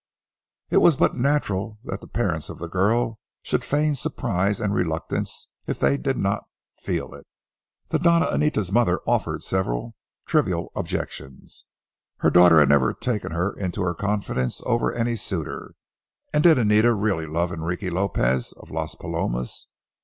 It was but natural that the parents of the girl should feign surprise and reluctance if they did not feel it. The Doña Anita's mother offered several trivial objections. Her daughter had never taken her into her confidence over any suitor. And did Anita really love Enrique Lopez of Las Palomas?